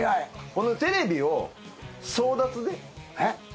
このテレビを争奪でへっ？